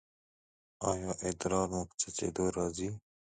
ایا ادرار مو په څڅیدو راځي؟